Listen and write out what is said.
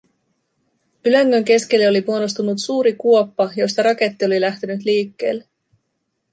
Ylängön keskelle oli muodostunut suuri kuoppa, josta raketti oli lähtenyt liikkeelle.